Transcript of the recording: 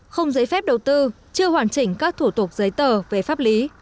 không giấy phép đầu tư chưa hoàn chỉnh các thủ tục giấy tờ về pháp lý